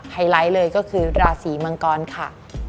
ไลท์เลยก็คือราศีมังกรค่ะ